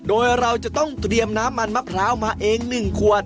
โดยเราจะต้องเตรียมน้ำมันมะพร้าวมาเอง๑ขวด